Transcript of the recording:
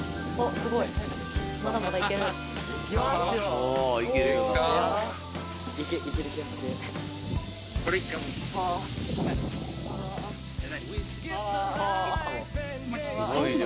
すごい量。